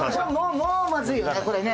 もうまずいよねこれね。